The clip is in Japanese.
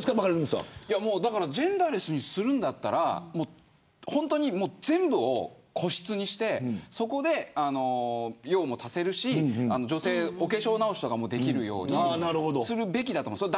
ジェンダーレスにするんだったら全部を個室にして用も足せるしお化粧直しができるようにするべきだと思うんです。